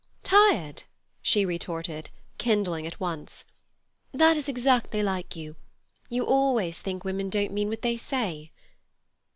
"Tired!" she retorted, kindling at once. "That is exactly like you. You always think women don't mean what they say."